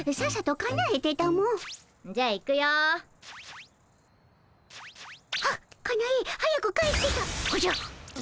かなえ早く帰ってたおじゃっ。